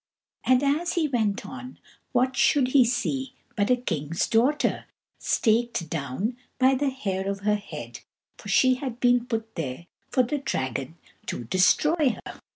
And as he went on, what should he see but a king's daughter, staked down by the hair of her head, for she had been put there for the dragon to destroy her.